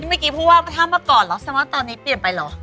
เมื่อกี้พูดว่าถ้าเมื่อก่อนลัสซามอนตอนนี้เปลี่ยนไปเหรอ